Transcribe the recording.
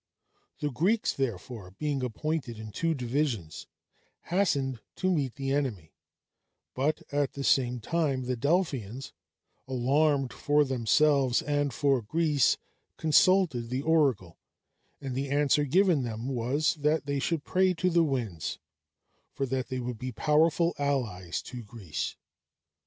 The Greeks, therefore, being appointed in two divisions, hastened to meet the enemy; but, at the same time, the Delphians, alarmed for themselves and for Greece, consulted the oracle, and the answer given them was, "that they should pray to the winds, for that they would be powerful allies to Greece."